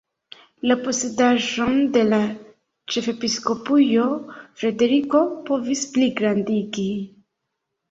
La posedaĵon de la ĉefepiskopujo Frederiko povis pligrandigi.